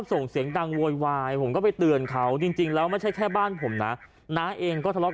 ส่งเสียงดังโวยวายผมก็ไปเตือนเขาจริงแล้วไม่ใช่แค่บ้านผมนะน้าเองก็ทะเลาะ